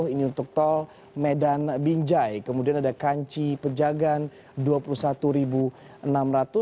ini untuk tol medan binjai kemudian ada kanci pejagan rp dua puluh satu enam ratus